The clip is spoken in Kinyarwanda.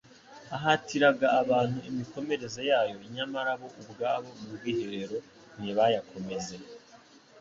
«,ahatiraga abantu imikomereze yayo, nyamara bo ubwabo mu rwiherero ntibayakomeze,